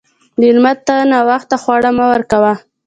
مېلمه ته ناوخته خواړه مه ورکوه.